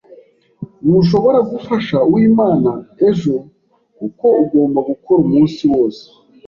Ntushobora gufasha Uwimana ejo kuko ugomba gukora umunsi wose.